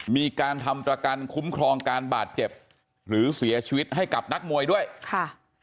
มีการทำประกันคุ้มครองการบาดเจ็บหรือเสียชีวิตให้กับนักมวยด้วยค่ะ